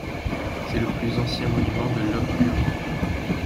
C'est le plus ancien monument de Lopburi.